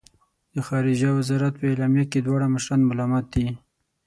د خارجه وزارت په اعلامیه کې دواړه مشران ملامت دي.